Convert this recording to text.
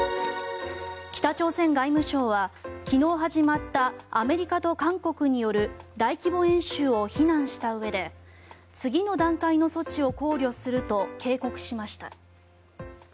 北朝鮮外務省は昨日始まったアメリカと韓国による大規模演習を非難したうえで次の段階の措置を考慮すると警告しました。